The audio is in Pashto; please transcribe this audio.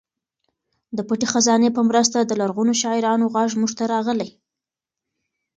د پټې خزانې په مرسته د لرغونو شاعرانو غږ موږ ته راغلی.